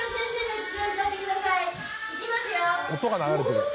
音が流れてる。